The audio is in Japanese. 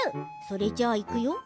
それじゃあ、いくよ！